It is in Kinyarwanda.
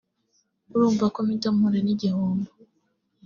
urumva ko mpita mpura n’igihombo